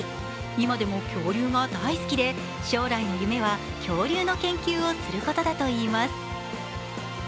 今でも恐竜が大好きで、将来の夢は恐竜の研究をすることだといいます。